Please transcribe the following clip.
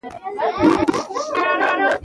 چې هغه د هغې وروسته چې آګاه شو